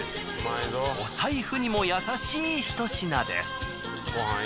お財布にもやさしいひと品です。